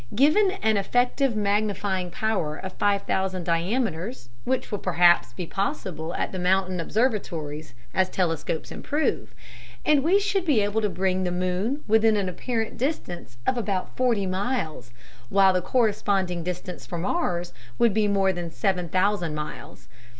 Given an effective magnifying power of five thousand diameters, which will perhaps be possible at the mountain observatories as telescopes improve, and we should be able to bring the moon within an apparent distance of about forty miles, while the corresponding distance for Mars would be more than seven thousand miles.